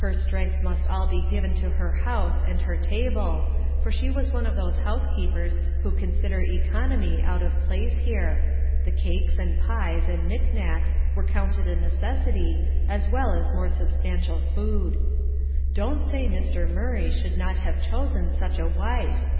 Her strength must all be given to her house and her table, for she was one of those housekeepers who consider economy out of place here; the cakes and pies and knick knacks were counted a necessity, as well as more substantial food. Don't say Mr. Murray should not have chosen such a wife.